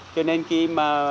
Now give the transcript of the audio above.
cho nên khi mà